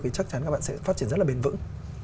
thì chắc chắn các bạn sẽ phát triển rất là bền vững